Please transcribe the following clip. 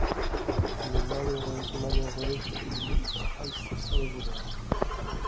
Mais, malheureuse, malheureuse, vous vous trahissez sans le vouloir.